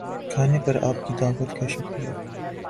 کھانے پر آپ کی دعوت کا شکریہ